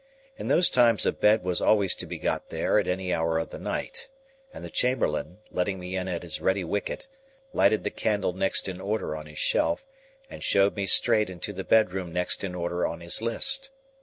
In those times a bed was always to be got there at any hour of the night, and the chamberlain, letting me in at his ready wicket, lighted the candle next in order on his shelf, and showed me straight into the bedroom next in order on his list.